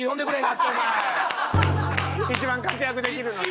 一番活躍できるのに。